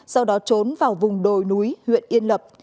sau đó trốn vào vùng đồi núi huyện yên lập